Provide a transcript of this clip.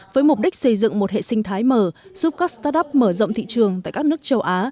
với mục đích xây dựng một hệ sinh thái mở giúp các start up mở rộng thị trường tại các nước châu á